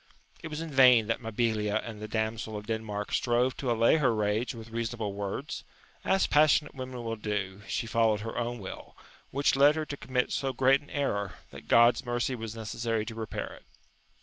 It was in vain that Mabilia and the damsel of Denmark strove to allay her rage with reasonable words : as passionate women will do, she followed her own will, which led her to commit so great an error, that God's mercy was necessary to repair it.